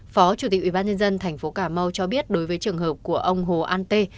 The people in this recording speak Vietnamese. phó chủ tịch ủy ban nhân dân thành phố cà mau cho biết đối với trường hợp của ông hồ an tê